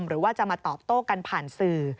หรือว่าจะมาตอบโต้กันผ่านสื่อ